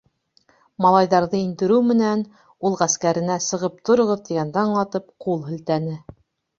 Малайҙарҙы индереү менән, ул ғәскәренә, сығып тороғоҙ, тигәнде аңлатып, ҡул һелтәне.